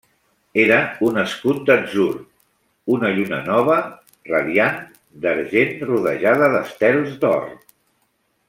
Era un escut d'atzur, una lluna nova, radiant, d'argent, rodejada d'estels, d'or.